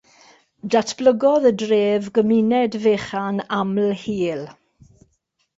Datblygodd y dref gymuned fechan aml-hîl.